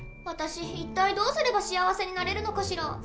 私一体どうすれば幸せになれるのかしら。